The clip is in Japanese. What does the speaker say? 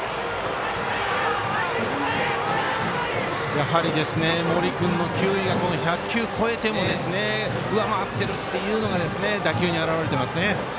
やはり森君の球威が１００球を超えても上回っているのが打球に表れていますね。